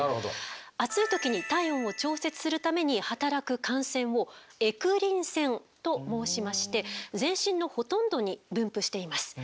暑い時に体温を調節するために働く汗腺をエクリン腺と申しまして全身のほとんどに分布しています。